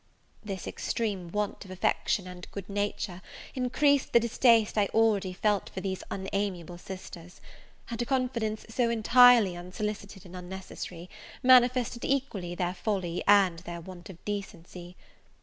This extreme want of affection and good nature increased the distaste I already felt for these unamiable sisters; and a confidence so entirely unsolicited and unnecessary, manifested equally their folly and their want of decency.